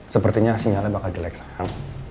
sepertinya sinyalnya bakal jelek sayang